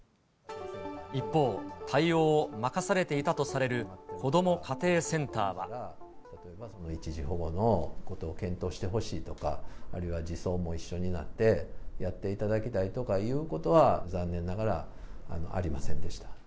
一方、対応を任されていたと一時保護のことを検討してほしいとか、あるいは児相も一緒になってやっていただきたいとかいうことは、残念ながらありませんでした。